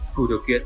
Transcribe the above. cùng điều kiện